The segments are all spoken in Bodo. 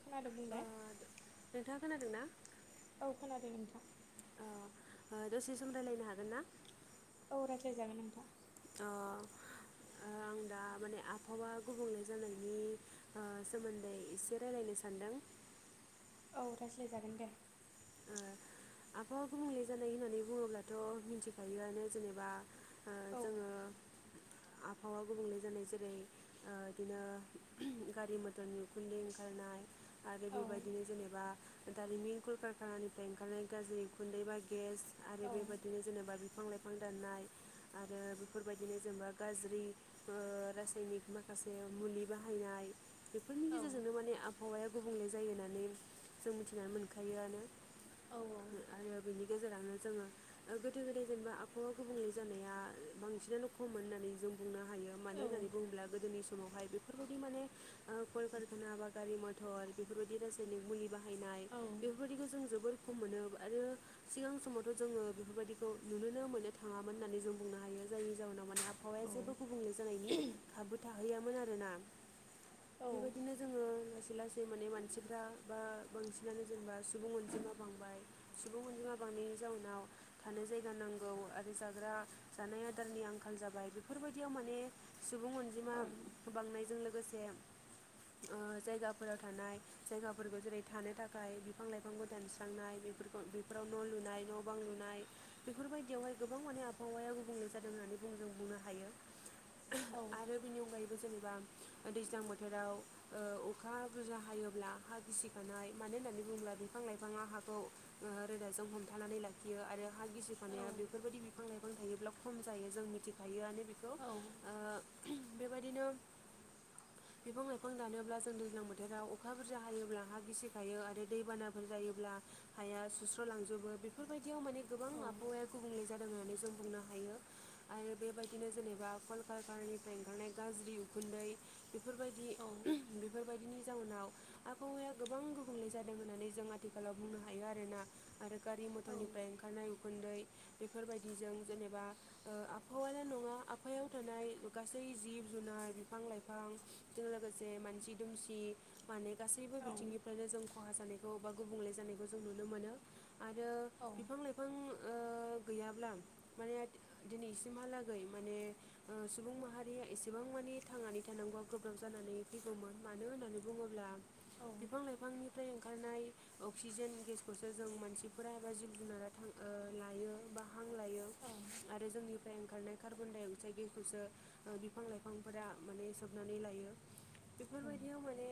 खोनादों बुंलाय खोनादों ना औ खोनादों नोंथां दसे सम राय्लायनो हागोन ना औ रायज्लायजागोन नोंथां अ ओ आं दा माने आबहावा गुबुंले जानायनि ओ सोमोन्दै एसे रायलायनो सानदों औ रायज्लायजागोन दे आबहावा गुबुंले जानाय होननानै बुङोब्लाथ' मिथिखायोआनो जेनेबा ओ औ जोङो [inaudible] आबहावा गुबुंले जानाय जेरै बिदिनो गारि मथरनि उखुन्दै ओंखारनाय आरो औ बेबायदिनो जेनेबा दारिमिन कलकारखानानिफ्राय ओंखारनाय गाज्रि उखुन्दै बा गेस आरो औ बेबायदिनो जेनेबा बिफां लाइफां दाननाय आरो बेफोरबायदिनो जेनेबा गाज्रि ओ रासायनिक माखासे माखासे मुलि बाहायनाय बेफोरनि औ गेजेरजोंनो माने आबहावाया गुबुंले जायो होननानै जों मिथिनानै मोनखायोआरो औ आरो बिनि गेजेरावनो जोङो गोदो गोदाय जेनेबा आबहावा गुबुंले जानाया बांसिनानो खममोन होन्नानै जों बुंनो हायो मानो औ औ होननानै बुङोब्ला गोदोनि समावहाय बेफोरबायदि माने ओ कलकारखाना बा गारि मथर बेफोरबायदि रासायनिक मुलि बा औ बाहायनाय बेफोरबायदिखौ जों जोबोर खम मोनो। आरो सिगां समावथ' जोङो बेफोरबायदिखौ नुनोनो मोननो थाङामोन होननानै जों बुं नो हायो जायनि जाहनाव माने आबहावाया जेबो गुबुंले जानायनि खाबु थाहैयामोन आरोना। बेबायदिनो जोङो लासै लासै माने मानसिफ्रा बा बांसिनानो जेनेबा सुबुं अन जिमा बांबाय सुबुं अनजिमा बांनायनि जाउनाव थानो जायगा नांगौ आरो जाग्रा जानाय आदारनि आं आंखाल जाबाय बेफोरबायदियाव माने सुबुं अनजिमा बांनायजों लोगोसे ओ जायगाफोराव थानाय जायगाफोरखौ जेरै थानो थाखाय बिफां लाइफांफोर दानस्रांनाय बेफोरखौ बेफोराव न' लुनाय न' बां लुनाय बेफोरबायदियावहाय गोबां माने आबहावायाव गुबुंले जादोंनानै बुंजों बुंनो हायो आरो बिनि अनगायै बो जेनेबा दैज्लां बोथोराव ओ अखा बुरजा हायोब्ला हा गिसिखानाय मान होननानै बुंब्ला बे बिफां लाइफाङा हाखौ रोदाजों हमथानानै लाखियो आरो हा गिसिखानाया बेफोरबायदि बिफां लाइ थायोब्ला खम जायो जों मिथिखायो आनो बेखौ आ ओम बेबादि बिदिनो बिफां लाइफां दानोब्ला जों दैज्लां बोथोराव अखा बुरजा हायोब्ला हा गिसिखायो आरो दैबाना फोर जायोब्ला हाया सुस्र'लांजोबो बेफोरबायदिआव माने गोबां आबहावाया गुबुंले जादों होननानै जों बुंनो हायो आरो बेबायदिनो जेनेबा कलकार कारनिफ्राय ओंखारनाय गाज्रि उखुन्दै बेफोरबायदि बेफोरबायदिनि जाहोनाव आबहावाया गोबां गुबुंले जादों होननानै जों आथिखालाव बुंनो हायो आरोना आरो गारि मथरनिफ्राय ओंखारनाय उखुन्दै बेफोरबायदिजों जेनेबा ओ आबहावाल नङा आबहायाव थानाय गासै नै जिब-जुनार, बिफां-लाइफां लोगोसे मानसि-दुमसि माने गासैबो बिथिंनिफ्रायनो जों खहा जानायखौ बा गुबुंले जानायखौ जों नुनो मोनो। आरो बिफां-लाइफां ओ गैयाब्ला माने दिनैसिमहालागै माने ओ सुबुं माहारिया एसेबां माने दि थांनानै थानांगौआ गोब्राब जानानै फैगौमोन मानो होननानै बुङोब्ला बिफां-लाइफांनिफ्राय ओ ओंखारनाय अक्सिजेन गेसखौसो जों मानसिफोरा एबा जिब जुनारा थां लायो बा हां लायो आरो जोंनि फ्राय ओंखारनाय कार्बन डाइ अक्साइड गेसखौसो ओ बिफां लाइफांफोरा माने सोबनानै लायो। बेफोरबायदियाव माने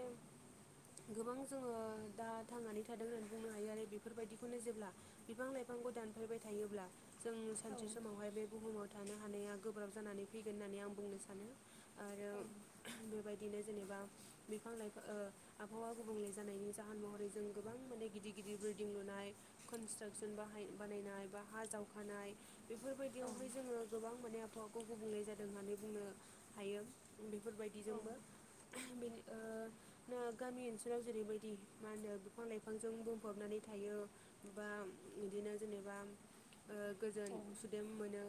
गोबां जोङो दा थांनानै थादों होननानै बुंनो हायो आरो बेफोरबायदिखौनो जेब्ला बिफां-लाइफांखौ दानफायबाय थायो अब्ला जों सानसे समावहाय बे बुहुमाव थानो हानाया गोब्राब जानानै फैगोन होननानै आं बुंनो सानो। आरो बेबाय बिदिनो जेनेबा बिफां लाइफा ओ आबहावा गुबुंले जानायनि जाहोन महरै जों गोबां माने गिदिर गिदिर बिल्डिं लुनाय कनस्ट्राकसन बाहाय बानायनाय बा हा जावखानाय। बेफोरबायदियावहाय जोङो गोबां माने आबहावाखौ गुबुंले जादों होननानै बुंनो हायो। बेफोरबायदिजोंबो बे ओ ना गामि ओनसोलाव जेरैबायदि। मा होनो बिफां-लाइफांजों बुंफबनानै थायो बा इदिनो जेनेबा ओ गोजोन सुदेम मोनो।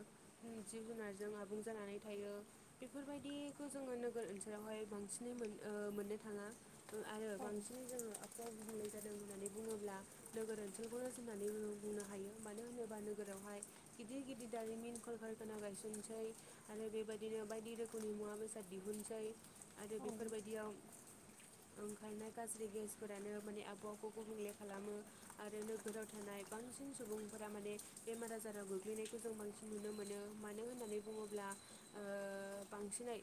जिब जुनारजों आबुं जानानै थायो बेफोरबायदिखौ जोङो नोगोर ओनसोलावहाय बांसिनै मोन ओ मोननो थाङा ओ आरो बांसिनै जोङो आबहावा गुबुंले जादों होननानै बुङोब्ला नोगोर ओनसोलखौनो होननानै बुंनो हायो मानो होनोबा नोगोरावहाय गिदिर गिदि दारिमिन कलकारखाना गायसनसै आरो बेबायदिनो बायदि रोखोमनि मुवा बेसाद दिहुनसै। आरो बेफोरबायदियाव ओंखायनो गाज्रि गेस। फोरानो माने आबहावखौ गुबुंले खालामो आरो नोगोराव थानाय बांसिन सुबुंफोरा माने बेमार आजाराव गोग्लैनायखौ जों बांसिन नुनो मोनो मानो होननानै बुङोब्ला ओ बांसि दिनै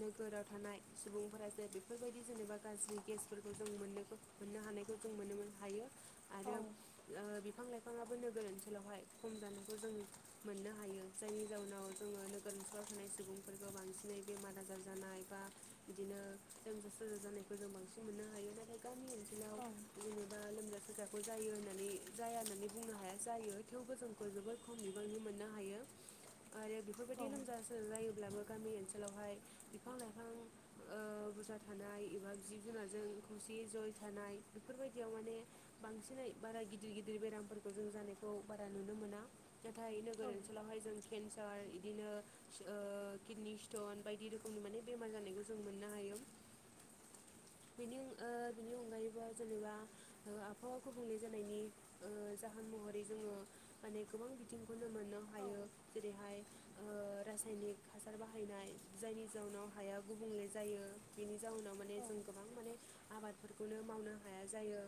नोगोराव थानाय सुबुंफोरासो बेफोरबायदि जेनेबा गाज्रि गेसफोरखौ जों मोननो मोननो हानायखौ जों मोनोमोन हायो आरो ओ बिफां लाइ बिफाङाबो नोगोर ओनसोलावहाय खम जानायखौ जों मोननो हायो जायनि जाउनाव जोङो नोगोर ओनसोलाव थानाय सुबुंफोरखौ बांसिनै बेमार आजार जानाय बा बिदिनो लोमजा साजा जानायखौ जों बां जों मोननो हायो नाथाय गामि ओनसोलाव जेनेबा लोमजा साजा ग' जायो होननानै जाया होननानै बुंनो हाया जायो थेवबो जोंखौ जोबोद खम बिबांनि मोननो हायो। आरो बेफोरबायदि लोमजा साजा जायोब्लाबो गामि ओनसोलावहाय बिफां-लाइफां ओ बुरजा थानाय एबा जिब जुनारजों खौसे बि जय थानाय बेफोरबायदियाव माने बांसिनै बारा गिदिर गिदिर बेरामफोरखौ जों जानायखौ बारा नुनो मोना नाथाय नोगोर ओनसोलावहाय जों केन्सार बिदिनो ओ किडनि स्टन बायदि रोखोमनि माने बेमार जानायखौ जों मोननो हायो। बिनि ओ बिनि अनगायै जेनेबा आबहावा गुबुंले जानायनि ओ जाहोन महरै जोङो माने गोबां बिथिंखौनो मोननो हायो जेरैहाय ओ रासायनिक हासार बाहायनाय जायनि जाउनाव हाया गुबुंले जायो बेनि जाउनाव माने जों गोबां माने आबादफोरखौनो मावनो हाया जायो।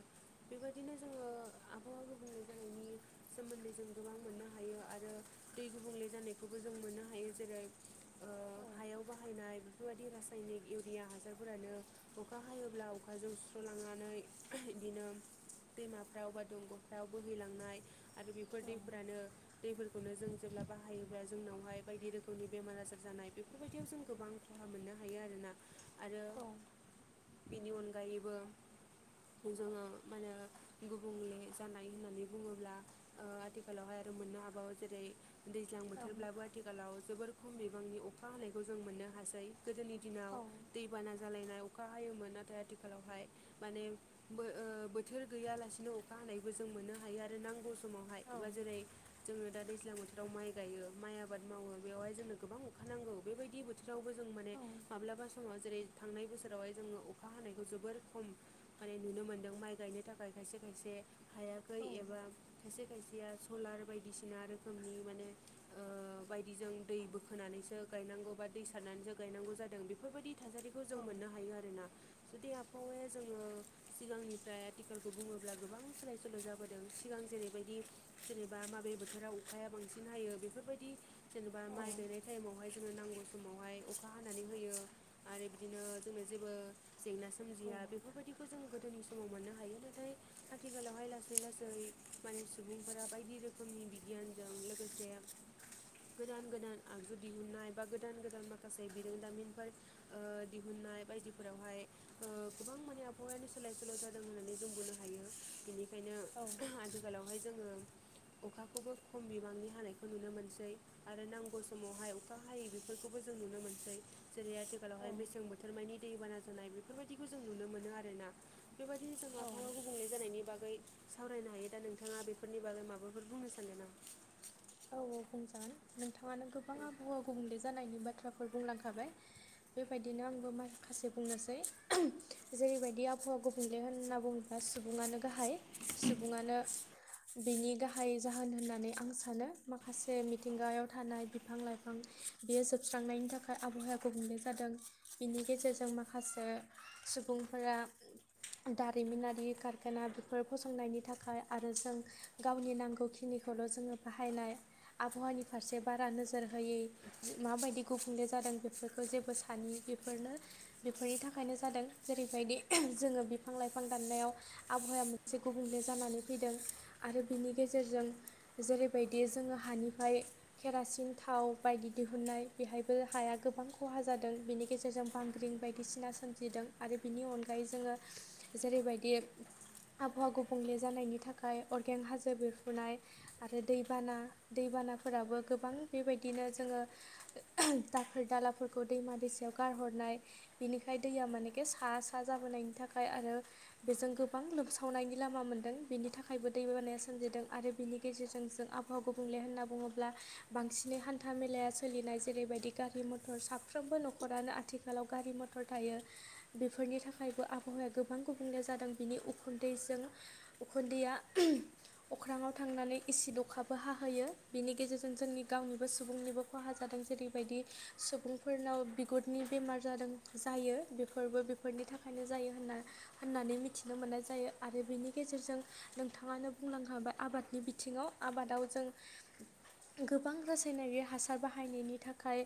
बेबायदिनो जोङो आबहावा गुबुंले जानायनि सोमोन्दै जों गोबां मोननो हायो। आरो दै गुबुंले जानायखौबो जों मोननो हायो जेरै ओ हायाव बाहायनाय बेफोरबायदि रासायनिक इउरिया हासारफोरानो अखा हायोब्ला अखाजों सुस्र'लांनानै बिदिनो दैमाफ्राव बा दंग'फ्राव बोहैलांनाय आरो बेफोर औ दैफोरानो दैफ खौनो जों जेब्ला बाहायोब्ला जोंनावहाय बायदि रोखोमनि बेमार आजार जानाय बेफोरबायदियाव जों गोबां खहा मोनो हायो आरोना आरो औ बिनि अनगायैबो जोङो मानो गुबुंले जानाय होननानै बुङोब्ला ओ आथिखालावहाय मोननो हाबावो जेरै दैज्लां औ बोथोरब्लाबो आथिखालाव जोबोर खम बिबांनि अखा हानायखौ जों मोननो हासै। गोदोनि दिनाव दैबाना जालायनाय अखा हायोमोन नाथाय आथिखालावहाय माने ओ बोथोर गैयालासेनो अखा हानायबो जों मोननो हायो आरो नांगौ समावहाय एबा जेरै जोंनो दा दैज्लां बोथोराव माइ गायो माइ आबाद मावो बेवहाय जोंनो गोबां अखा नांगौ बेबायदि बोथोरावबो जों माने औ माब्लाबा समाव जेरै थांनाय बोसोरावहाय जोङो अखा हानाय खौ जोबोर खम माने नुनो मोन्दों माइ गायनो थाखाय खायसे खायसे हायाखै एबा खायसे खायसे सलार बायदिसिना रोखोमनि माने ओ बायदिजों दै बोखोनानैसो गायना गौ बा दै सारनानैसो गायनांगौ जादों बेफोरबायदि थासारिखौ जों औ मोननो हायो आरोना। जुदि आबहावाया जोङो सिगांनिफ्राय आथिखालखौ बुङोब्ला गोबां सोलाय सोल' जाबोदों सिगां गां जेरैबायदि जेनेबा माबे बोथोराव अखाया बांसिन हायो बेफोरबायदि जेनेबा औ माइ गायनाय टाइमावहाय जोंनो नांगौ समावहाय अखा हानानै होयो आरो बिदिनो जोंनो जेबो जेंना सोमजिया औ, बेफोरबायदिखौ जों गोदोनि समाव मोननो हायो नाथाय आथिखालावहाय लासै लासै माने सुबुंफोरा बायदि रोखोमनि बिगियानजों लोगोसे गोदान गोदान आगजु दिहुननाय बा गोदान गोदान माखासे बिरोंदामिनफोर ओ दिहुन नाय बायदिफोरावहाय ओ गोबां माने आबहावायानो सोलाय सोल' जादों होननानै जों बुंनो हायो। बेनिखायनो आथिखालावहाय जोङो अखाखौबो खम बिबांनि हानायखौ नुनो मोनसै आरो नांगौ समावहाय अखा हायै बेफोरखौबो जों नुनो मोनसै जेरै आथिखालावहाय मेसें बोथोर मानि दैबाना जानाय बेफोरबायदिखौ जों नुनो मोनो आरोना। बेबायदिनो जों आबहावा गुबुंले जानायनि बागै गै सावरायनो हायो दा नोंथाङा बेफोरनि बागै माबाफोर बुंनो सानदों नामा। औ औ बुंजागोन नोंथाङानो गोबां आबहावआ गुबुंले जानायनि बाथ्राफोर बुंलांखाबाय बेबायदिनो आंबो माखासे बुंनोसै जेरैबायदि आबहावा गुबुंले होनना बुङोब्ला सुबुङानो गाहाय सुबुङानो बिनि गाहाय जाहोन होननानै आं सानो। माखासे मिथिंगायाव थानाय बिफां लाइफां बेयो जोबस्रांनायनि थाखाय आबहावाया गुबुंले जादों। बिनि गेजेरजों माखासे सुबुंफोरा दारिमिनारि कारखाना बेफोर फसंनायनि थाखाय आरो जों गावनि नांगौखिनिखौ खौल' जोङो बाहायनाय आबहावानि फारसे बारा नोजोर होयै माबायदि गुबुंले जादों बेफोरखौ जेबो सान बेफोरनो बेफोरनि थाखायनो जादों जेरै बायदि जोङो बिफां लाइफां दाननायाव आबहावाया मोनसे गुबुंले जानानै फैदों आरो बिनि गेजेरजों जेरै बायदि जोङो हानिफ्राय केरासिन थाव बायदि दिहुननाय बेहायबो हाया गोबां खहा जादों। नि गेजेरजों बांग्रिं बायदिसिना सोमजिदों आरो बिनि अनगायै जोङो जेरै बायदि आबहावा गुबुंले जानायनि थाखाय अरगें हाजो बेरहुनाय आरो दैबाना दै बानाफोराबो गोबां बेबायदिनो जोङो दाखोर दालाफोरखौ दैमा दैसा गारहरनाय बिनिखाय दैया मानेखि सा सा जाबोनायनि थाखाय आरो बेजों गोबां लोमसावनायनि लामा मोनदों बेनि थाखायबो दैबानाया सोमजिदों आरो बिनि गेजेरजों जों आबहावाखौ गु बुंले होनना बुङोब्ला बांसिनै हान्था मेलाया सोलिनाय जेरै बायदि गारि मथर साफ्रोमबो नख नखरानो आथिखालाव गारि मथर थायो बेफोरनि थाखायबो आबहावाया गोबां गुबुंले जादों बिनि उखुन्दैजों उखुन्दैया अख्रांयाव थांनानै एसिद अखाबो हा होयो बिनि गेजेरजों जोंनि गावनिबो सुबुंनिबो खहा जादों जेरै बायदि सुबुंफोरनाव बिगुरनि बेमार जादों जायो बेफोरबो बेफोरनि थाखायनो जायो होनना होननानै मिथिनो मो मोननाय जायो आरो बेनि गेजेरजों नोंथाङानो बुंलांखाबाय आबादनि बिथिङाव आबादाव जों [inaudible] गोबां रासायनारि हासार बाहायनायनि थाखाय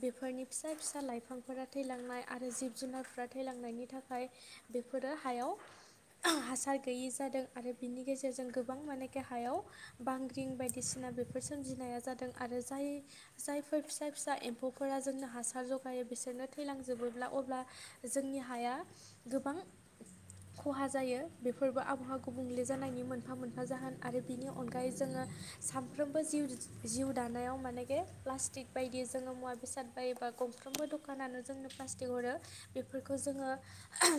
बेफोरनि फिसा फिसा लाइफांफोरा थ थैलांनाय आरो जिब जुनारफ्रा थैलांनायनि थाखाय बेफोरो हायाव हासार गैयि जादों आरो बिनि गेजेरजों गोबां मानेखे हायाव बांग्रिं बायदिसि ना बेफोर सोमजिनाया जादों आरो जाय जायफोर फिसा फिसा एम्फौफोरा जोंनो हासार जगाय बिसोरनो थैलांजोबोब्ला अब्ला जोंनि हाया गोबां खहा जायो बेफोरबो आबहावा गुबुंले जानायनि मोनफा मोनफा जाहोन आरो बिनि अनगायै जोङो। सानफ्रोमबो जि जिउ दानायाव मानेखे प्लास्टिक बायदि जोङो मुवा बेसाद बायोबा ग फ्रोमबो दखानानो जोंनो प्लास्टिक हरो बेफोरखौ जोङो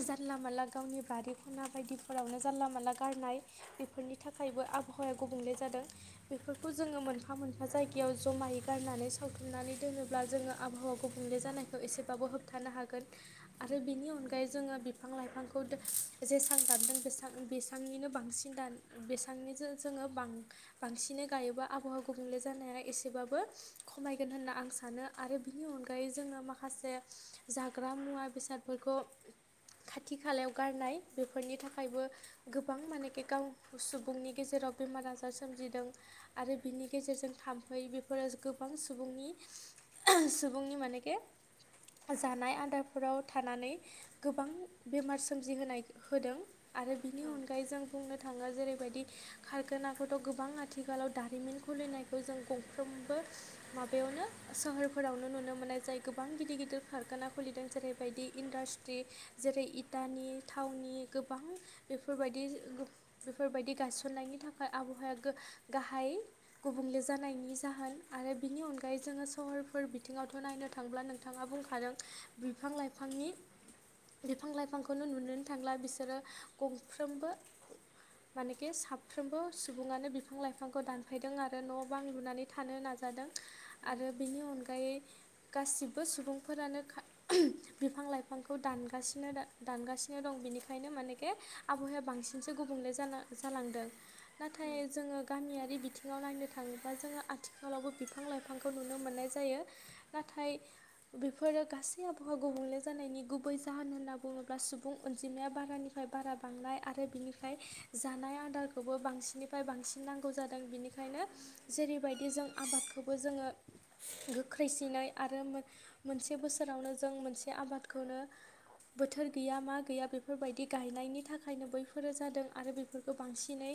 जानला मानला गावनि बारि खना बायदिफोरावनो जानला मानला गारनाय बेफोरनि थाखायबो आबहावाया गुबुंले जादों। बेफोरखौ जोङो मोनफा मोनफा जायगायाव जमायै गारनानै सावथुमनानै दोनोब्ला जोङो आबहावा गुबुं बे जानायखौ एसेबाबो होबथानो हागोननि आरो बेनि अनगायैबो जोङो बिफां लाइफांखौ जेसां दानदों बेसां बेसांनिनो बांसिन दान बेसांनि जो बां बांसि जोङो बांसिन बिनो गायोबा आबहावा गुबुंले जानाया एसेबाबो खमायगोन होनना आं सानो आरो बिनि अनगायै जोङो माखासे जाग्रा मुवा बेसादफोरखौ खाथि खालायाव गारनाय बेफोरनि थाखायबो गोबां मानेखि गाव सुबुंनि गेजेराव बेमार आजार सोमजिदों। आरो बिनि गेजेरजों थाम्फै बेफोरो गोबां सुबुंनि सुबुंनि माने गे जानाय आदारफोराव थानानै गोबां बेमार सोमजि होनाय होदों। आरो बिनि औ अनगायै जों बुंनो थाङो जेरै बायदि खारखोनाखौथ गोबांया आथिखालाव दारिमिन खुलिनायखौ जों गंफ्रोमबो माबायावनो सोहोरफोरावनो नुनो मोनो। जाय गोबां गिदिर गिदिर खारखाना खुलिदों जेरै बायदि इडास्ट्रि जैरै इटानि थाव गावनि गोबां बेफोर बायदि बेफोर बायदि गायसननायनि थाखाय आबहावाया गो गाहाय गुबुंले जानायनि जाहोन आरो बिनि अनगायै जोङो सहरफोर बिथिङावथ नायनो थांब्ला नोंथाङा बुंखादों बिफां लाइफांनि बिफां लाइफांखौनो नुनोनो थांला बिसोरो गंफ्रोमबो मानेखि साफ्रोमबो सुबुङानो बिफां लाइफां बिफांखौ दानफायदों। आरो न बां लुनानै थानो नाजादों, उम आरो बेनि अनगायै गासिबो सुबुंफोरानो खा बिफां लाइफांखौ दानगासिनो दान दानगास सिनो दं। बिनिखायनो मानेखे आबहावाया बांसिनसो गुबुंले जालांदों। नाथाय जोङो गामियारि बिथिङाव नायनो थाङोब्ला जोङो आथिखालावबो बिफां लाइफांखौ नुनो मोननाय जायो। नाथ थाय बेफोरो गासै आबहावा गुबुंले जानायनि गुबै जाहोन होनना बुङोब्ला सुबुं अनजि माया बारानिफ्राय बारा बांनाय। आरो बिनिफ्राय जानाय आदारखौबो बांसिननिफ्राय बांसिन नांगौ जादों। बिनिखायनो जेरै बायदि जों आबादखौबो जोङो गोख्रैसिनै आरो मो मोनसे बोसोरावनो जों मोनसे आबादखौनो बोथोर गैया मा गैया बेफोरबायदि गायनायनि थाखायनो बैफोरो जादों। आरो बैफोरखौ बांसिनै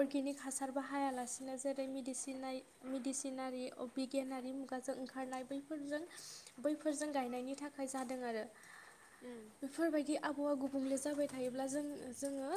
अरगेनिक हास सार बाहायालासिनो जेरै मिदिसिनाय मिदिसिनारि अ बिगियानारि मुगाजों ओंखारनाय बै फोरजों बैफोरजों गायनायनि थाखाय जादों आरो। उम बेफोरबायदि आब हावा गुबुंले जाबाय थायोब्ला। जों जोङो